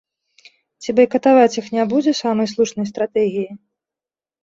Ці байкатаваць іх не будзе самай слушнай стратэгіяй?